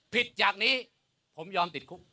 จากนี้ผมยอมติดคุก